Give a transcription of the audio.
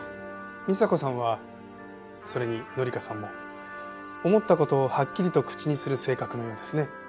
美沙子さんはそれに紀香さんも思った事をはっきりと口にする性格のようですね。